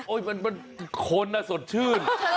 โอ้ยมันคนอ่ะสดชื่น